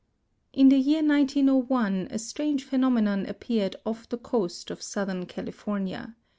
In the year 1901 a strange phenomenon appeared off the coast of southern California.